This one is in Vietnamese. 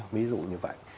ví dụ như vậy